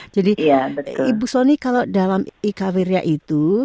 jadi ibu sony kalau dalam e kavirnya itu